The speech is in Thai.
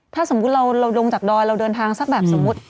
ถ้าสมมุติเราลงจากดอยเราเดินทางสักแบบสมมุติ